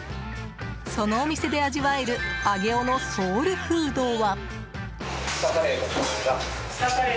そのお店で味わえる上尾のソウルフードは。